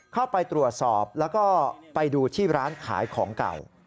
เข้าไปตรวจสอบแล้วก็ไปดูที่ร้านขายของเก่า